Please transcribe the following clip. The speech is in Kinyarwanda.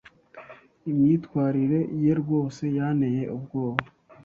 Imyitwarire ye rwose yanteye ubwoba.